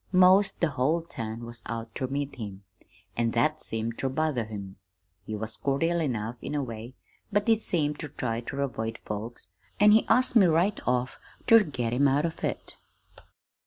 'Most the whole town was out ter meet him, an' that seemed ter bother him. He was cordial enough, in a way, but he seemed ter try ter avoid folks, an' he asked me right off ter get him 'out of it.'